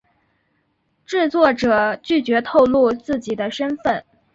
制作者拒绝透露自己的身份。